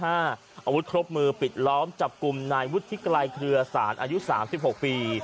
อาวุธครบมือปิดล้อมจับกลุ่มนายวุฒิไกรเครือสารอายุ๓๖ปี